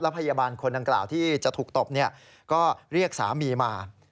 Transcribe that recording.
พยาบาลคนดังกล่าวที่จะถูกตบก็เรียกสามีมา